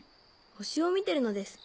星を見てるのです。